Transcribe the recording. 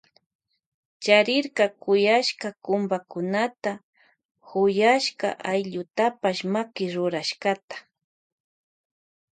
Charirka kuyaska kumbakunata y huyashka allkutapash makirurashkata.